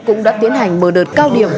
cũng đã tiến hành mở đợt cao điểm